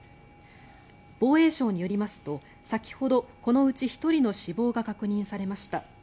防衛省によりますと先ほどこのうち１人の死亡が確認されました。